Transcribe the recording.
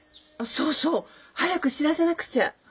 そうそう早く知らせなくちゃ。